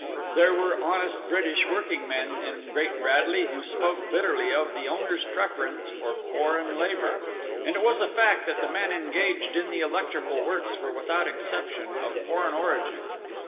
There were honest British working men in Great Bradley who spoke bitterly of the owner's preference for foreign labour, and it was a fact that the men engaged in the electrical works were without exception of foreign origin.